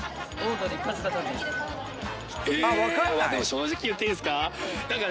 正直言っていいですか。